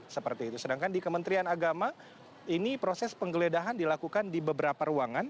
seperti itu sedangkan di kementerian agama ini proses penggeledahan dilakukan di beberapa ruangan